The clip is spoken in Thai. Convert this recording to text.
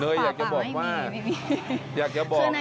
เนยอยากจะบอกว่าอยากจะบอกนะคะว่า